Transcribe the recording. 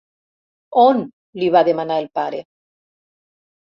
On? —li va demanar el pare.